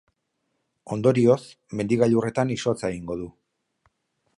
Ondorioz, mendi-gailurretan izotza egingo du.